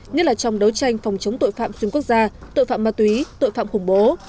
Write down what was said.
nhất là trong đấu tranh phòng chống tội phạm xuyên quốc gia tội phạm ma túy tội phạm khủng bố